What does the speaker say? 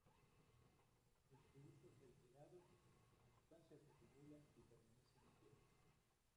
En su uso reiterado, la sustancia se acumula y permanece en la piel.